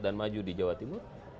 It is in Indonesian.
dan maju di jawa timur